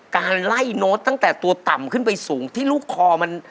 การไล่โน้ตตั้งแต่ตัวต่ำขึ้นไปสูงที่ลูกคอมัน